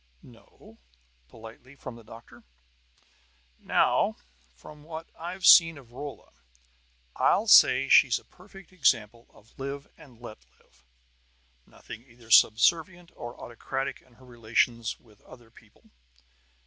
"No?" politely, from the doctor. "Now, from what I've seen of Rolla, I'll say she's a perfect example of 'live and let live.' Nothing either subservient or autocratic in her relations with other people.